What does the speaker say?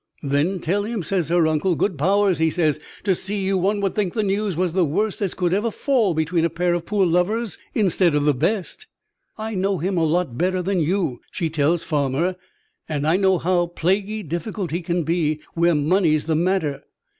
"Then tell him," says her uncle. "Good powers!" he says; "to see you, one would think the news was the worst as could ever fall between a pair o' poor lovers, instead of the best." "I know him a lot better than you," she tells Farmer; "and I know how plaguey difficult he can be where money's the matter.